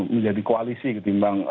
menjadi koalisi ketimbang